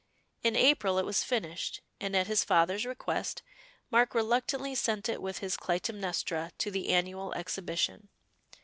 In April it was finished, and at his father's request Mark reluctantly sent it with his Clytemnestra to the annual exhibition.